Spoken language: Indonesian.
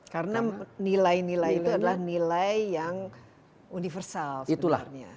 karena nilai nilai itu adalah nilai yang universal sebenarnya